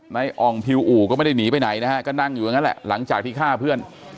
อ่องพิวอู่ก็ไม่ได้หนีไปไหนนะฮะก็นั่งอยู่อย่างนั้นแหละหลังจากที่ฆ่าเพื่อน